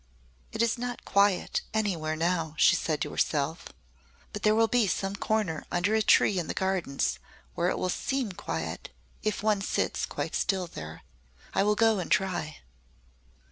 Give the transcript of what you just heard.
"It is not quiet anywhere now," she said to herself. "But there will be some corner under a tree in the Gardens where it will seem quiet if one sits quite still there. I will go and try."